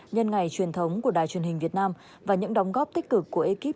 nhân ngày truyền thống của đài truyền hình việt nam và những đóng góp tích cực của ekip